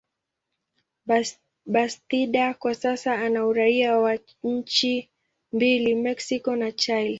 Bastida kwa sasa ana uraia wa nchi mbili, Mexico na Chile.